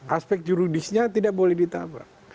aspek juridisnya tidak boleh ditambah